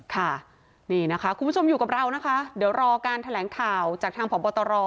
ค่ะนี่นะคะคุณผู้ชมอยู่กับเรานะคะเดี๋ยวรอการแถลงข่าวจากทางพบตร